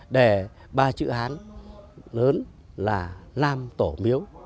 để ba chữ hán lớn là nam tổ miếu